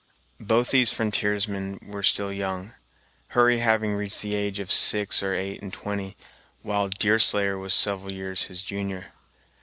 Both these frontiersmen were still young, Hurry having reached the age of six or eight and twenty, while Deerslayer was several years his junior.